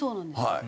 はい。